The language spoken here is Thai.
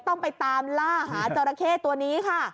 ต้องไปตามล่าหาจราเข้ตัวนี้ค่ะ